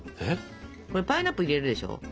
これパイナップル入れるでしょ。